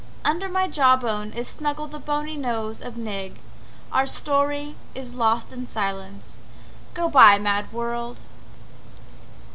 Under my Jaw bone is snuggled the bony nose of Nig Our story is lost in silence. Go by, mad world!